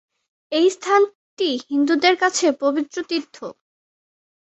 এই স্থানটি হিন্দুদের কাছে পবিত্র তীর্থ।